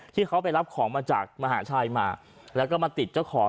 ที่เขาไปรับของมาจากมหาชัยมาแล้วก็มาติดเจ้าของ